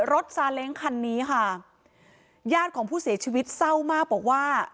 ซาเล้งคันนี้ค่ะญาติของผู้เสียชีวิตเศร้ามากบอกว่า